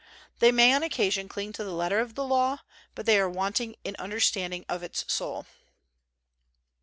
They may on occasion cling to the letter of the law; but they are wanting in understanding of its soul.